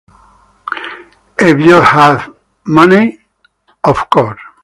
If you have money, of course.